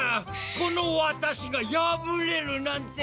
このわたしがやぶれるなんて！